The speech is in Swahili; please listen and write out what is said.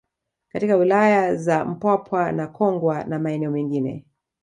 Katika wilaya za Mpwapwa na Kongwa na maeneo mengine